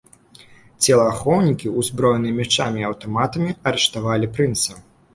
Целаахоўнікі, узброеныя мячамі і аўтаматамі, арыштавалі прынца.